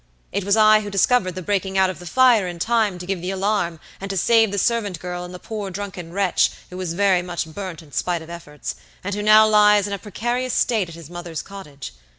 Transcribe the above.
It was I who discovered the breaking out of the fire in time to give the alarm and to save the servant girl and the poor drunken wretch, who was very much burnt in spite of efforts, and who now lies in a precarious state at his mother's cottage.